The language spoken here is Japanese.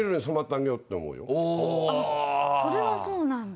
あっそれはそうなんだ。